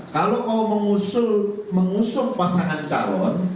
kalau kau mengusur pasangan calon